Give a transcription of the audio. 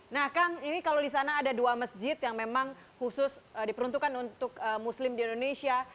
nah kang ini kalau di sana ada dua masjid yang memang khusus diperuntukkan untuk muslim di indonesia